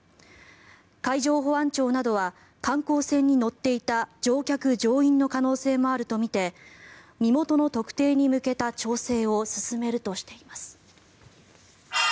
海上保安庁などは観光船に乗っていた乗客・乗員の可能性もあるとみて身元の特定に向けた調整を進めるとしています。